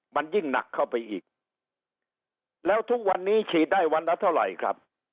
มันยิ่งหนักเข้าไปอีกแล้วทุกวันนี้ฉีดได้วันละเท่าไหร่ครับ